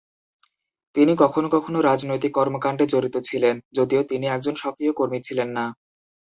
তিনি কখনো কখনো রাজনৈতিক কর্মকাণ্ডে জড়িত ছিলেন, যদিও তিনি একজন সক্রিয় কর্মী ছিলেন না।